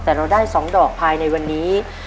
แต่เราได้๒ดอกภายในวันนี้